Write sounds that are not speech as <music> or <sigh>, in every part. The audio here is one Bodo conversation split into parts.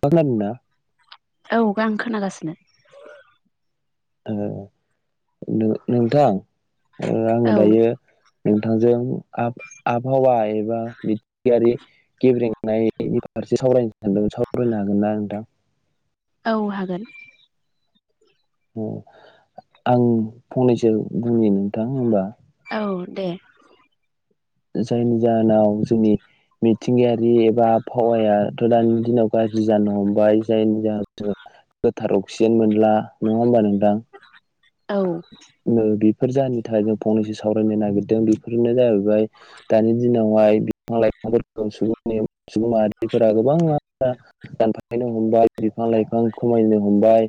था खोनादोंना औ गां खोनागासिनो ओ नोंथां ओ आङो औ दायो नोंथांजों आब-आबहावा ए बा बिदगारि गेब्रेंनायनि फारसे सावरायनो सानदोंमोन सावरायनो हागोन ना नोंथां? औ हागोन। उम आं फंनैसो बुंनि नोंथां होमबा। औ दे। जायनि जाहोनाव जोंनि मिथिंगायारि एबा आबहावायाथ' दानि दिनाव गाज्रि जानो हमबाय जायनि जाहो <unintelligible> गोथार अक्सिजेन मोनला नङा होमबा नोंदां? औ। बेफोर जाहोननि थाखाय जों फंनैसो सावरायनो नागिरदों बेफोरनो जाहैबाय दानि दिनावहाय बिफां लाइ <inaudible> सुबुंनि सुबुं माहारिफोरा गोबां <inaudible> दानफायनो हमबाय बिफां-लाइफां खमायनो हमबाय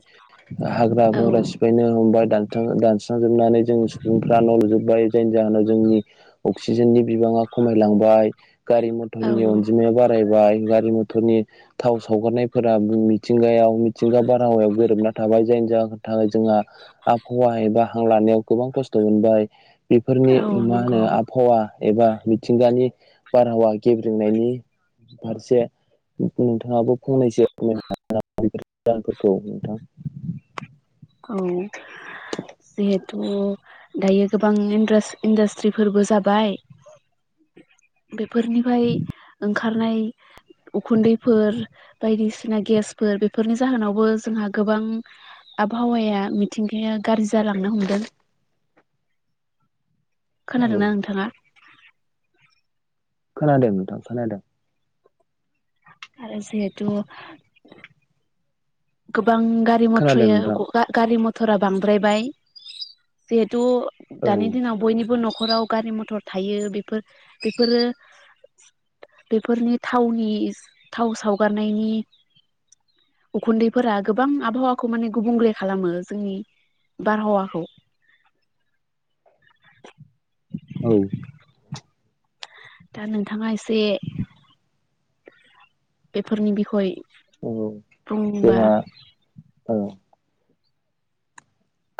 औ हाग्रा-बंग्रा सिफायनो हमबाय दानथां दान स्रांजोबनानै जों सुबुंफ्रा न' लुजोब्बाय जायनि जाहोनाव जोंनि अक्सिजेननि बिबाङा खमायलां बाय। औ गारि-मथरनि अनजिमाया बाराय बाय। गारि-मथरनि थाव सावगारनायफोरा मिथिंगायाव मिथिंगा बारहावायाव गोरोबना था बाय जायनि जाहो थाखाय जोंहा आबहावा एबा हां लानायाव गोबां खस्थ' मोनबाय। बेफोरनि उम मा होनो नंगौ आबहावा एबा मिथिंगानि बारहावा गेब्रेंनायनि फारसे नोंथाङाबो फंनैसो <unintelligible> <inaudible> जाहोनफोरखौ नोथां। औ। जिहेथु दायो गोबां इन्ड्रास-इन्डास्ट्रिफोरबो जाबाय बेफोरनिफाय ओंखारनाय उखुन्दैफोर बायदिसिना गेसफोर बेफोरनि जाहोनावबो जोंहा गोबां आबहावाया मिथिंगाया गाज्रि जालांनो हमदों। औ खोनादोंना नोंथाङा? खोनादों नोंथां खोनादों। आरो जिहेतु गोबां खोनादों गारि-मथ्रया नोंथां ग डा गारि मथ थरा बांद्रायबाय जिहेथु औ दानि दिनाव बयनिबो न' खराव गारि-मथर थायो बेफोर बेफोरो बेफोरनि थावनि थाव सावगारनायनि उखुन्दै फोरा गोबां आबहावाखौ माने गुबुंलले खालामो जोंनि बारहावाखौ। औ। दा नोंथाङा एसे बेफोरनि बिख'य औ बुंबा जोंहा औ।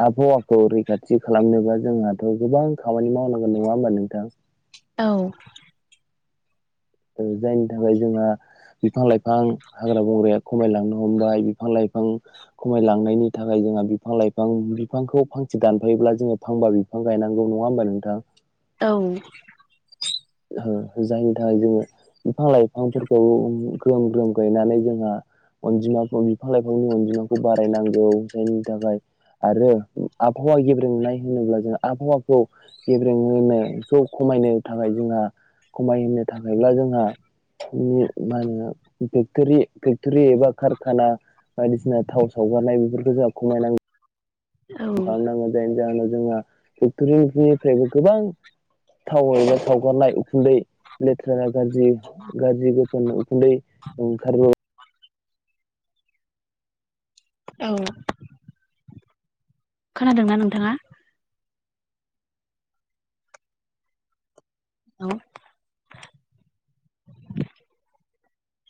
आबहावाखौ रैखाथि खालामनोबा जोंहाथ' गोबां खामानि मावनांगौ नङा होमबा नोंथां? औ। जायनि थाखाय जोंहा बिफां-लाइफां हाग्रा-बंग्राया खमायलांनो हमबाय बिफां-लाइफां खमायलांनायनि थाखाय जोंहा बिफां-लाइफां बिफांखौ फांसे दानफायोब्ला जोङो फांबा बिफां गायनांगौ नङा होमबा नोंथां? औ। ओ जायनि थाखाय जोङो बिफां-लाइफांफोरखौ ग्रोम-ग्रोम गायनानै जोंहा अनजिमा बिफां-लाइफांनि अनजिमाखौ बारायनांगौ। जायनि थाखाय आरो आबहावा गेब्रेंनाय होनोब्ला जों आबहावाखौ गेब्रेंहोनायखौ खम खमायनो थाखाय जोंहा खमायहोनो थाखायब्ला जोंहा मा होनो फेक्टरि फेक्टरि एबा खारखाना बायदिसिना थाव सावगारनाय बेफोरखौ जाहा खमायनां औ खालामनांगोन जायनि जाहोनाव जोंहा फेक्ट'रिनिफ्रायबो गोबां थाव एबा सावगारनाय उखुन्दै लेथ्रा गाज्रि गाज्रि गोफोन उखुन्दै ओंखारो औ। खोनादोंना नोंथाङा? औ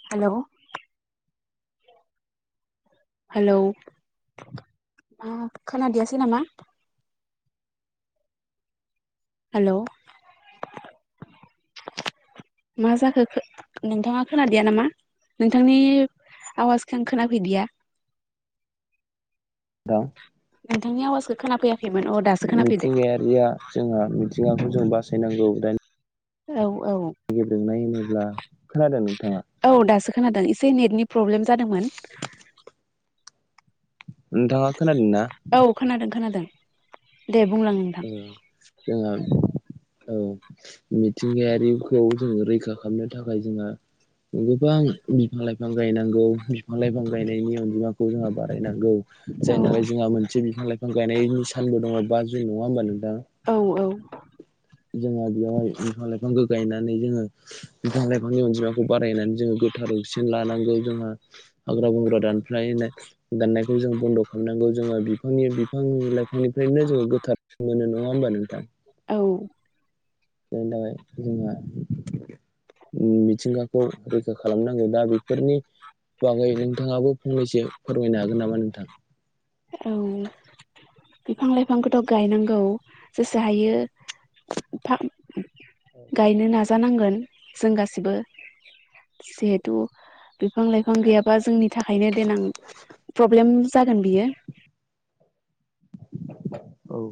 हेल'। हेलौ मा खोनादियासै नामा? हेल'। मा जाखो खो नोंथाङा खोनादिया नामा? नोंथांनि आवाजखौ आं खोनाफैदिया। नोंथां। नोंथांनि आवाजखौ खोनाफैया मिथिंगायारिया जोंहा मिथिंगाखौ जों बासायनांगौ दानि औ गेब्रेंनाय होनोब्ला खोनादों नोंथाङा? औ दासो खोनादों एसे नेटनि प्रब्लेम जादोंमोन। नोंथाङा खोनादों ना? औ खोनादों खोनादों दे बुंलां नोंथां औ जोंहा औ मिथिंगायारिखौ जोंङो रैखा खालामनो थाखाय जोंहा गोबां बिफां लाइफां गायनांगौ बिफां लाइफां गायनायनि अनजिमाखौ जोंहा बारायनांगौ औ जायनि थाखाय जोंहा मोनसे बिफां लाइफां गायनायनि सानबो दङ बा जुन नङा होनबा नोंथां? औ जोंहा बेवहाय बिफां लाइफांखौ गायनानै जोङो बिफां लाइफांनि अनजिमाखौ बारायनानै जोङो गोथौ थारौसिन लानांगौ जोंहा हाग्रा बंग्रा दानफ्लायनाय दाननायखौ जों बन्द' खालामनांगौ जोङो बिफांनि बिफां लाइफांनिफ्रायनो जोङो गोथार मोनो नङा होमबा नों औ जोंनि थाखाय जोंहा मिथिंगाखौ रैखा खालामनो जोङो दा बेफोरनि बागै नोंथाङाबो फंनैसो फोरमायनो हागोन नामा नोंथां? औ बिफां लाइफांखौथ' गायनांगौ जेसो हायो फा गायनो नाजानांगोन जों गासिबो जिहेथु बिफां लाइफां गैयाबा जोंनि थाखायनो देनां प्रब्लेम जागोन बियो औ